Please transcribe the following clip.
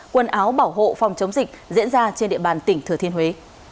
quần áo bảo hộ phòng chống dịch diễn ra trên địa bàn tỉnh thừa thiên huế